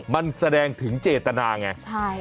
มันแสดงถึงเจตนาไง